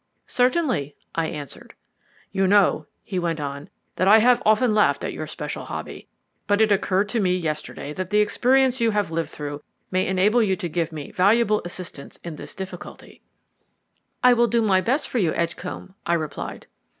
"Certainly," I answered. "You know," he went on, "that I have often laughed at your special hobby, but it occurred to me yesterday that the experiences you have lived through may enable you to give me valuable assistance in this difficulty." "I will do my best for you, Edgcombe," I replied.